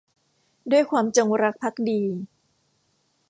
ด้วยความจงรักภักดี